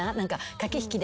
駆け引きで。